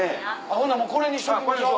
ほんならこれにしときましょう。